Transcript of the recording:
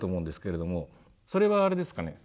それはあれですかね。